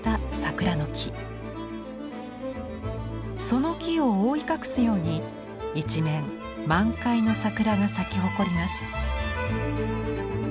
その木を覆い隠すように一面満開の桜が咲き誇ります。